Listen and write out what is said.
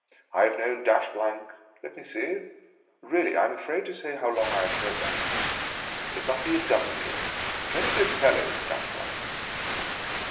I have known Dash Blank — let me see — really I am afraid to say how long I have known Dash Blank. Tt must be a dozen years. A very good fellow, Dash Blank